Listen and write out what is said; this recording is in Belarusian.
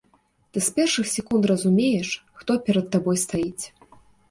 Ты з першых секунд разумееш, хто перад табой стаіць.